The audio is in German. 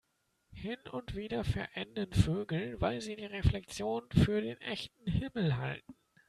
Hin und wieder verenden Vögel, weil sie die Reflexion für den echten Himmel halten.